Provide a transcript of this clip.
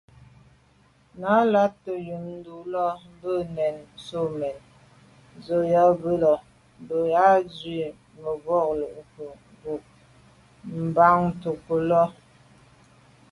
Nə̀ là’tə̌ wud, ndʉ̂lαlα mbə̌ nə̀ soŋ mɛ̌n zə̀ ò bə̂ yi lα, bə α̂ ju zə̀ mbὰwəlô kû’ni nə̀ ghʉ̀ mbὰndʉ̌kəlô lα.